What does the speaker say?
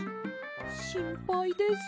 しんぱいです。